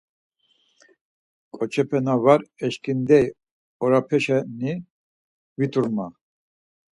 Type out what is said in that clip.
Ǩoçepe na var eşǩindey orape şeni vit̆ur ma.